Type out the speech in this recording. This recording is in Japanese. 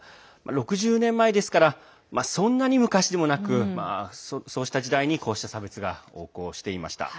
６０年前ですからそんなに昔でもなくそうした時代にこうした差別が横行していました。